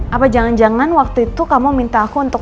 apa jangan jangan waktu itu kamu minta aku untuk